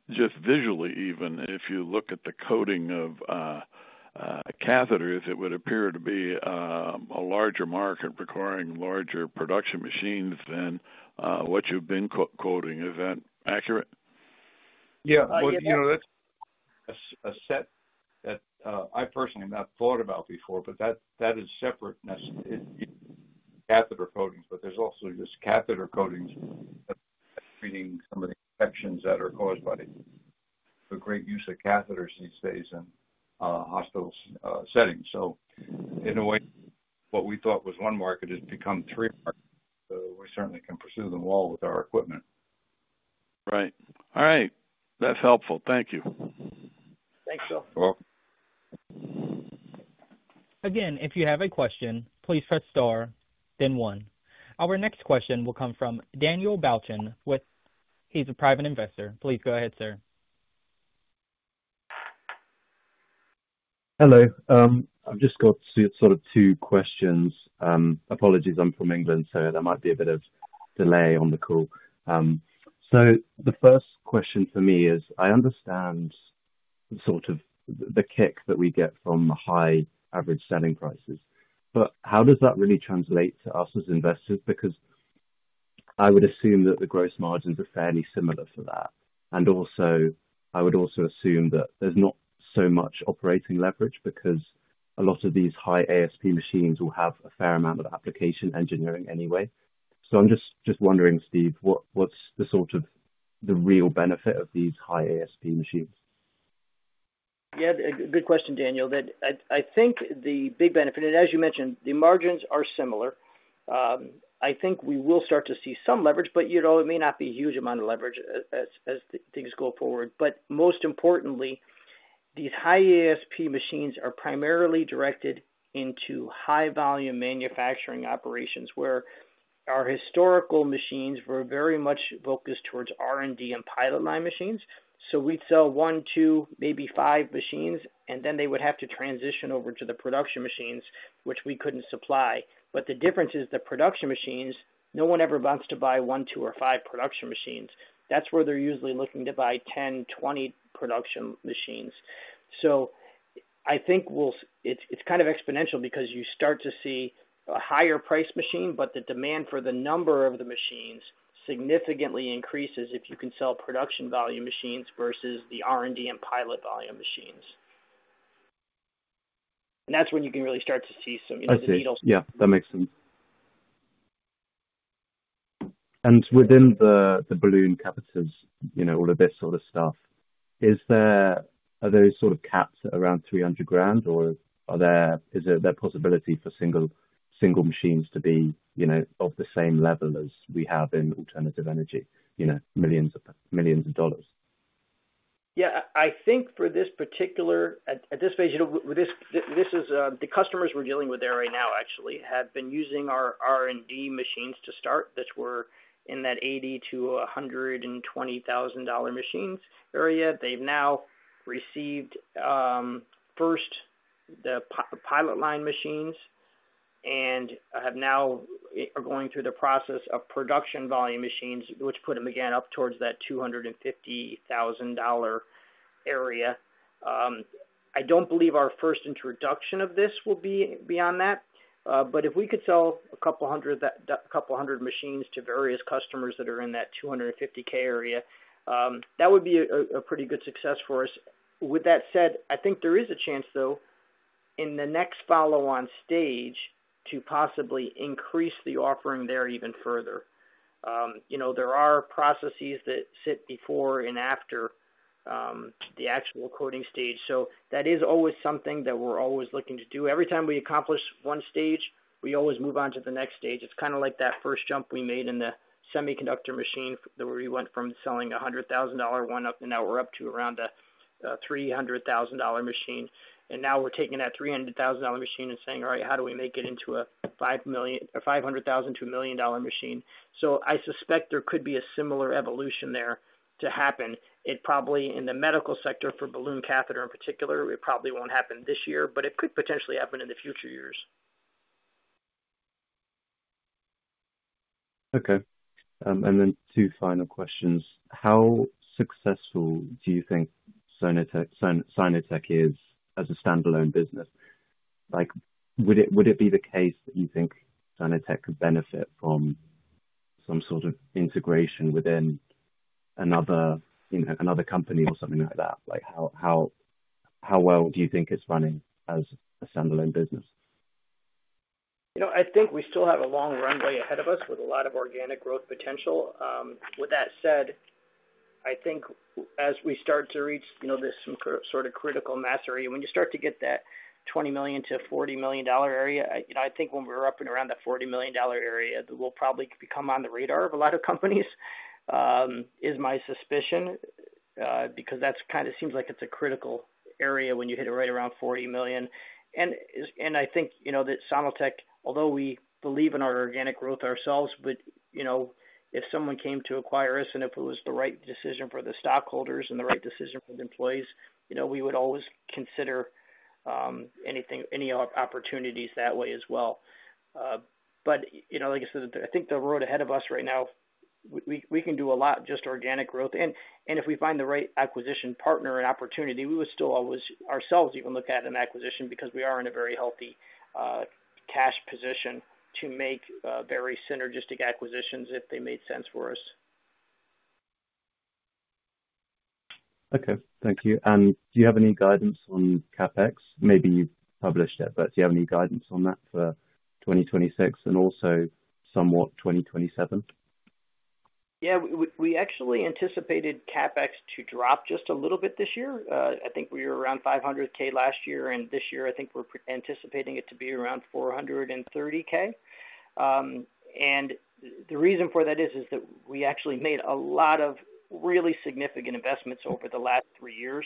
Speaker 7: just visually, even if you look at the coating of catheters, it would appear to be a larger market requiring larger production machines than what you've been quoting. Is that accurate?
Speaker 5: Yeah. You know, that's a set that I personally have not thought about before, but that is separate catheter coatings. But there's also just catheter coatings that are treating some of the infections that are caused by the great use of catheters these days in hospital settings. In a way, what we thought was one market has become three markets. We certainly can pursue them all with our equipment.
Speaker 7: Right. All right. That's helpful. Thank you.
Speaker 4: Thanks, Bill.
Speaker 5: You're welcome.
Speaker 1: Again, if you have a question, please press star, then one. Our next question will come from Daniel Balchin. He's a private investor. Please go ahead, sir.
Speaker 9: Hello. I've just got sort of two questions. Apologies, I'm from England, so there might be a bit of delay on the call. The first question for me is, I understand sort of the kick that we get from high average selling prices, but how does that really translate to us as investors? I would assume that the gross margins are fairly similar for that. I would also assume that there's not so much operating leverage because a lot of these high ASP machines will have a fair amount of application engineering anyway. I'm just wondering, Steve, what's the sort of the real benefit of these high ASP machines?
Speaker 4: Yeah. Good question, Daniel. I think the big benefit, and as you mentioned, the margins are similar. I think we will start to see some leverage, but it may not be a huge amount of leverage as things go forward. Most importantly, these high ASP machines are primarily directed into high volume manufacturing operations where our historical machines were very much focused towards R&D and pilot line machines. We'd sell one, two, maybe five machines, and then they would have to transition over to the production machines, which we couldn't supply. The difference is the production machines, no one ever wants to buy one, two, or five production machines. That's where they're usually looking to buy 10-20 production machines. I think it's kind of exponential because you start to see a higher price machine, but the demand for the number of the machines significantly increases if you can sell production volume machines versus the R&D and pilot volume machines. That's when you can really start to see some.
Speaker 9: I see. Yeah. That makes sense. Within the balloon catheters, you know, all of this sort of stuff, are those sort of caps at around $300,000, or is there a possibility for single machines to be of the same level as we have in alternative energy, you know, millions of dollars?
Speaker 4: Yeah. I think for this particular, at this stage, you know, the customers we're dealing with there right now actually have been using our R&D machines to start that were in that $80,000-$120,000 machines area. They've now received first the pilot line machines and have now are going through the process of production volume machines, which put them again up towards that $250,000 area. I don't believe our first introduction of this will be beyond that. If we could sell a couple hundred machines to various customers that are in that $250,000 area, that would be a pretty good success for us. With that said, I think there is a chance though in the next follow-on stage to possibly increase the offering there even further. You know, there are processes that sit before and after the actual coating stage. That is always something that we're always looking to do. Every time we accomplish one stage, we always move on to the next stage. It's kind of like that first jump we made in the semiconductor machine where we went from selling a $100,000 one up, and now we're up to around a $300,000 machine. Now we're taking that $300,000 machine and saying, "All right, how do we make it into a $500,000-$1 million machine?" I suspect there could be a similar evolution there to happen. It probably in the medical sector for balloon catheter in particular, it probably will not happen this year, but it could potentially happen in future years.
Speaker 9: Okay. Two final questions. How successful do you think Sono-Tek is as a standalone business? Like, would it be the case that you think Sono-Tek could benefit from some sort of integration within another company or something like that? Like, how well do you think it is running as a standalone business?
Speaker 4: You know, I think we still have a long runway ahead of us with a lot of organic growth potential. With that said, I think as we start to reach some sort of critical mastery, when you start to get that $20 million-$40 million area, I think when we're up and around the $40 million area that we'll probably become on the radar of a lot of companies is my suspicion because that kind of seems like it's a critical area when you hit it right around $40 million. I think, you know, that Sono-Tek, although we believe in our organic growth ourselves, but, you know, if someone came to acquire us and if it was the right decision for the stockholders and the right decision for the employees, you know, we would always consider any opportunities that way as well. You know, like I said, I think the road ahead of us right now, we can do a lot just organic growth. If we find the right acquisition partner and opportunity, we would still always ourselves even look at an acquisition because we are in a very healthy cash position to make very synergistic acquisitions if they made sense for us.
Speaker 9: Okay. Thank you. Do you have any guidance on CapEx? Maybe you've published it, but do you have any guidance on that for 2026 and also somewhat 2027?
Speaker 4: Yeah. We actually anticipated CapEx to drop just a little bit this year. I think we were around $500,000 last year, and this year I think we're anticipating it to be around $430,000. The reason for that is that we actually made a lot of really significant investments over the last three years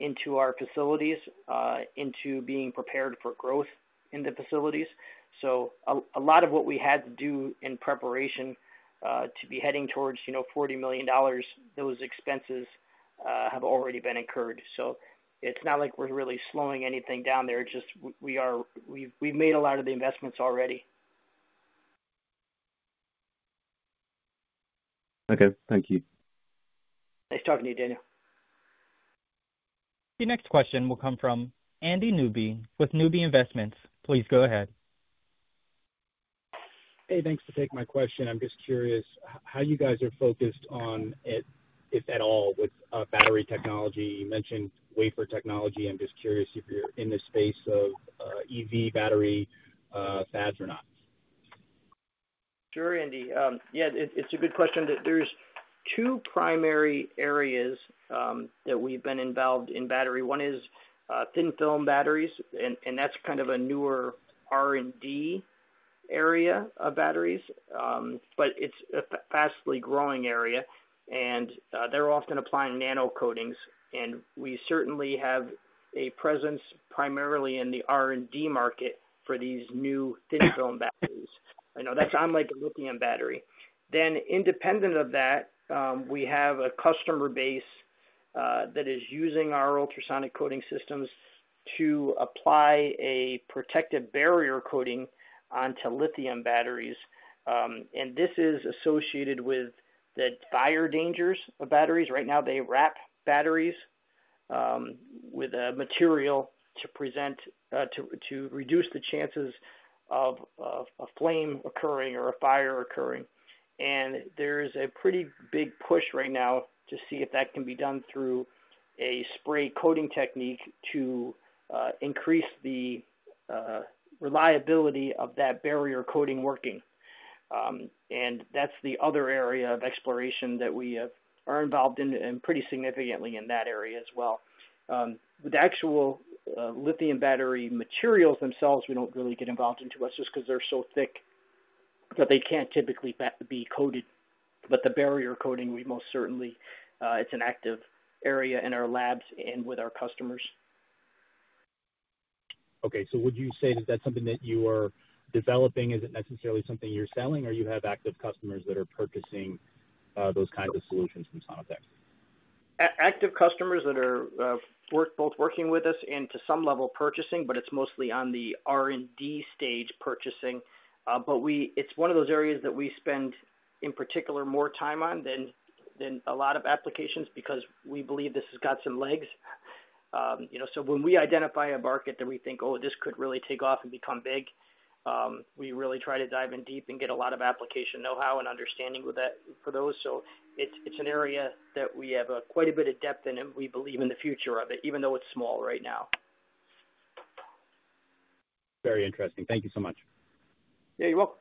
Speaker 4: into our facilities, into being prepared for growth in the facilities. A lot of what we had to do in preparation to be heading towards, you know, $40 million, those expenses have already been incurred. It's not like we're really slowing anything down there. It's just we've made a lot of the investments already.
Speaker 9: Okay. Thank you.
Speaker 4: Nice talking to you, Daniel.
Speaker 1: The next question will come from Andy Nubi with Nubi Investments. Please go ahead.
Speaker 10: Hey, thanks for taking my question. I'm just curious how you guys are focused on, if at all, with battery technology. You mentioned wafer technology. I'm just curious if you're in the space of EV battery fads or not.
Speaker 4: Sure, Andy. Yeah. It's a good question. There are two primary areas that we've been involved in battery. One is thin film batteries, and that's kind of a newer R&D area of batteries, but it's a fast-growing area. They're often applying nano coatings, and we certainly have a presence primarily in the R&D market for these new thin film batteries. I know that's unlike a lithium battery. Independent of that, we have a customer base that is using our ultrasonic coating systems to apply a protective barrier coating onto lithium batteries. This is associated with the fire dangers of batteries. Right now, they wrap batteries with a material to reduce the chances of a flame occurring or a fire occurring. There is a pretty big push right now to see if that can be done through a spray coating technique to increase the reliability of that barrier coating working. That is the other area of exploration that we are involved in pretty significantly in that area as well. The actual lithium battery materials themselves, we do not really get involved into it just because they are so thick that they cannot typically be coated. The barrier coating, we most certainly, it is an active area in our labs and with our customers.
Speaker 10: Okay. So would you say that that's something that you are developing? Is it necessarily something you're selling, or you have active customers that are purchasing those kinds of solutions from Sono-Tek?
Speaker 4: Active customers that are both working with us and to some level purchasing, but it's mostly on the R&D stage purchasing. It's one of those areas that we spend in particular more time on than a lot of applications because we believe this has got some legs. When we identify a market that we think, "Oh, this could really take off and become big," we really try to dive in deep and get a lot of application know-how and understanding for those. It's an area that we have quite a bit of depth in, and we believe in the future of it, even though it's small right now.
Speaker 10: Very interesting. Thank you so much.
Speaker 4: Yeah, you're welcome.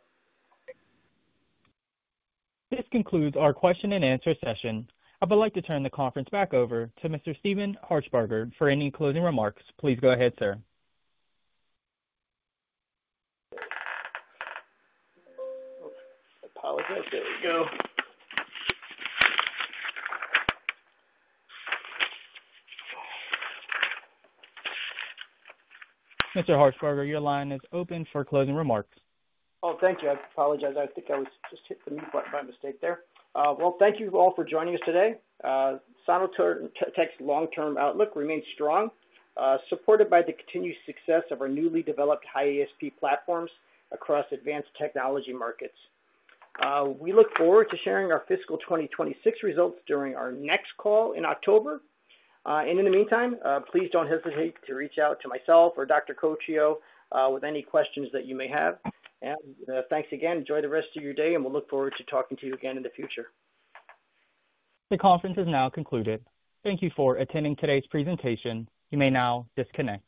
Speaker 1: This concludes our question-and-answer session. I'd like to turn the conference back over to Mr. Steve Harshbarger for any closing remarks. Please go ahead, sir.
Speaker 3: Apologize. There we go.
Speaker 1: Mr. Harshbarger, your line is open for closing remarks.
Speaker 4: Oh, thank you. I apologize. I think I just hit the mute button by mistake there. Thank you all for joining us today. Sono-Tek's long-term outlook remains strong, supported by the continued success of our newly developed high ASP platforms across advanced technology markets. We look forward to sharing our fiscal 2026 results during our next call in October. In the meantime, please do not hesitate to reach out to myself or Dr. Coccio with any questions that you may have. Thanks again. Enjoy the rest of your day, and we look forward to talking to you again in the future.
Speaker 1: The conference is now concluded. Thank you for attending today's presentation. You may now disconnect.